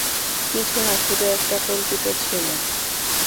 কিছু না, শুধু একটা কল্পিত ছেলে।